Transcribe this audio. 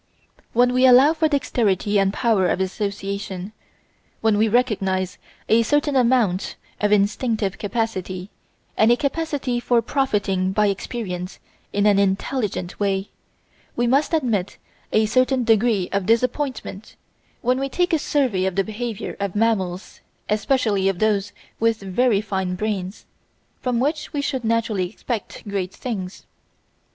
When we allow for dexterity and power of association, when we recognise a certain amount of instinctive capacity and a capacity for profiting by experience in an intelligent way, we must admit a certain degree of disappointment when we take a survey of the behaviour of mammals, especially of those with very fine brains, from which we should naturally expect great things.